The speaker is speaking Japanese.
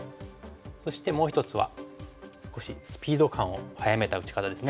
そしてもう一つは少しスピード感を速めた打ち方です。